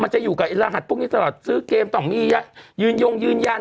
จะอยู่กับไอ้รหัสพวกนี้ตลอดซื้อเกมต้องมียืนยงยืนยัน